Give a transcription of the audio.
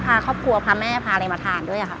พาครอบครัวพาแม่พาอะไรมาทานด้วยค่ะ